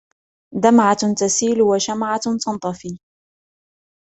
دمعة تسيل وشمعة تنطفي